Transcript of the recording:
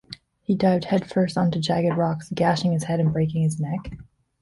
He dived head first onto jagged rocks, gashing his head and breaking his neck.